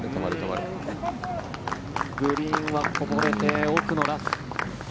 グリーンはこぼれて奥のラフ。